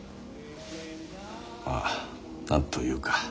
まあ何と言うか。